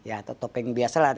atau topeng biasa